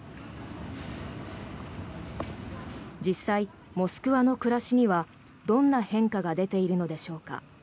実際、モスクワの暮らしにはどんな変化が出ているのでしょうか。